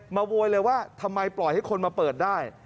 โวยเลยว่าทำไมปล่อยให้คนมาเปิดได้